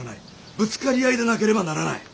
ぶつかり合いでなければならない。